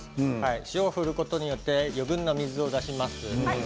塩を振ることによって余分な水を出します。